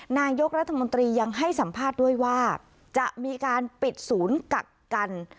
นายกรัฐมนตรียังให้สัมภาษณ์ด้วยว่าจะมีการปิดศูนย์กักกัน